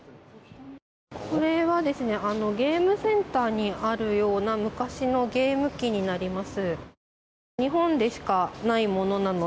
これはゲームセンターにあるような昔のゲーム機になります。